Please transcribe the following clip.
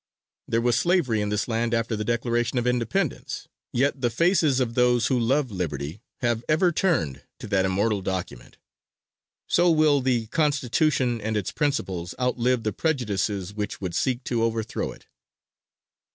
There was slavery in this land after the Declaration of Independence, yet the faces of those who love liberty have ever turned to that immortal document. So will the Constitution and its principles outlive the prejudices which would seek to overthrow it.